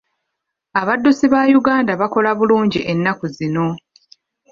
Abaddusi ba Uganda bakola bulungi ennaku zino.